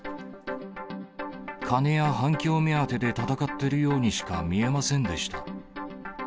金や反響目当てで闘っているようにしか見えませんでした。